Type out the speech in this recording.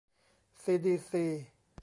ซีดีซี